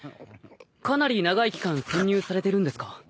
かなり長い期間潜入されてるんですか？